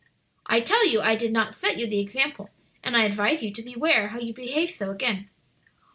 "I tell you I did not set you the example; and I advise you to beware how you behave so again.